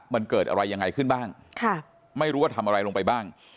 มันเกิดอะไรยังไงขึ้นบ้างไม่รู้ว่าทำอะไรลงไปบ้าง